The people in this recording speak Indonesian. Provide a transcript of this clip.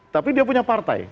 tapi dia punya partai